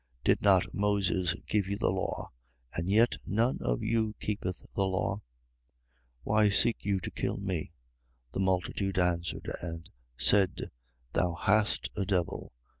7:19. Did not Moses give you the law, and yet none of you keepeth the law? 7:20. Why seek you to kill me? The multitude answered and said: Thou hast a devil.